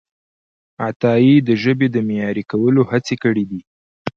عطایي د ژبې د معیاري کولو هڅې کړیدي.